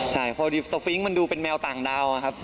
เพราะว่าตัวฟิงก์มันดูเป็นแมวต่างดาวครับ